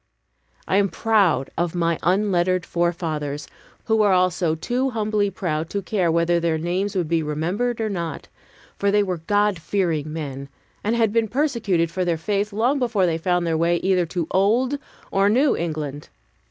I am proud of my unlettered forefathers, who were also too humbly proud to care whether their names would be remembered or not; for they were God fearing men, and had been persecuted for their faith long before they found their way either to Old or New England.